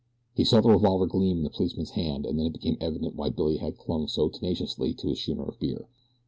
He saw the revolver gleam in the policeman's hand and then it became evident why Billy had clung so tenaciously to his schooner of beer.